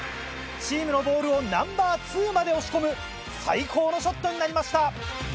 チームのボールをナンバー２まで押し込む最高のショットになりました。